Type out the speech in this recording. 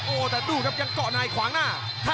โอ้โหแต่ดูครับยังเกาะในขวางหน้า